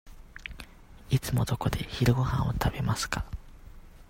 いつもどこで昼ごはんを食べますか。